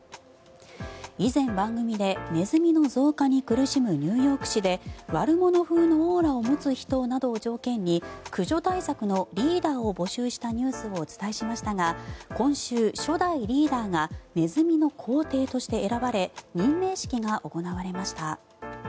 以前、番組でネズミの増加に苦しむニューヨーク市で悪者風のオーラを持つ人などを条件に駆除対策のリーダーを募集したニュースをお伝えしましたが今週、初代リーダーがネズミの皇帝として選ばれ任命式が行われました。